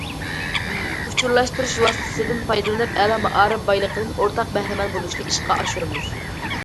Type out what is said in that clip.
ئۇچۇرلاشتۇرۇش ۋاسىتىسىدىن پايدىلىنىپ، ئەلا مائارىپ بايلىقىدىن ئورتاق بەھرىمەن بولۇشنى ئىشقا ئاشۇرىمىز.